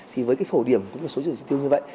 thì với cái phổ điểm của một số chỉ tiêu như vậy